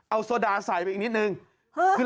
เอาโซดาใส่ไปอีกนิดนึง